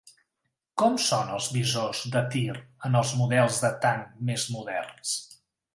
Com són els visors de tir en els models de tanc més moderns?